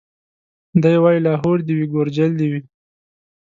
دی وايي لاهور دي وي کورجل دي وي